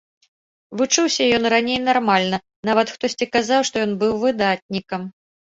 Вучыўся ён раней нармальна, нават хтосьці казаў, што ён быў выдатнікам.